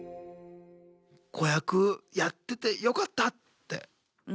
子役やっててよかったって思う？